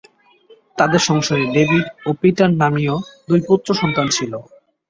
তাদের সংসারে ডেভিড ও পিটার নামীয় দুই পুত্র সন্তান ছিল।